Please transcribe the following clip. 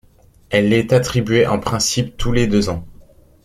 Elle est attribuée en principe tous les deux ans.